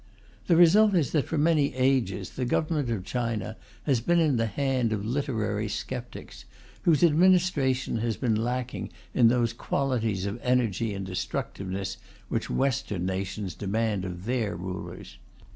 The result is that for many ages the Government of China has been in the hands of literary sceptics, whose administration has been lacking in those qualities of energy and destructiveness which Western nations demand of their rulers.